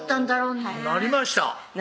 なりました